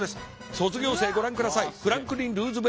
卒業生ご覧ください。